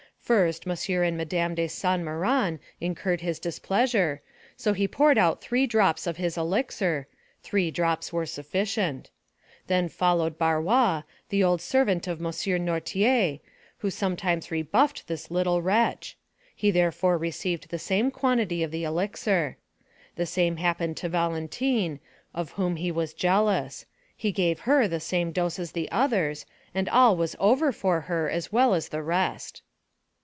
First, M. and Madame de Saint Méran incurred his displeasure, so he poured out three drops of his elixir—three drops were sufficient; then followed Barrois, the old servant of M. Noirtier, who sometimes rebuffed this little wretch—he therefore received the same quantity of the elixir; the same happened to Valentine, of whom he was jealous; he gave her the same dose as the others, and all was over for her as well as the rest."